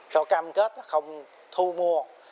cho cam kết không thu mua